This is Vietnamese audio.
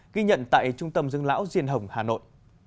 ghi nhận tại trung tâm dưỡng lão diên hồng hà nội